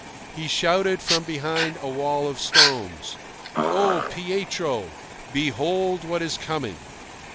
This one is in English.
He shouted from behind a wall of stones, "O Pietro! Behold what is coming!"